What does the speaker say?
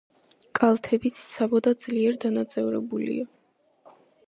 კალთები ციცაბო და ძლიერ დანაწევრებულია.